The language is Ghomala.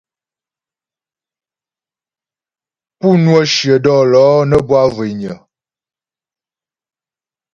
Pú ŋwə shyə dɔ̌lɔ̌ nə́ bwâ zhwényə.